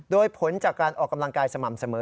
โดยผลจากการออกกำลังกายสม่ำเสมอ